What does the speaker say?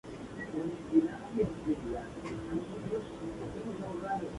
Formó parte del Pacto de San Sebastián, representada por Casares Quiroga.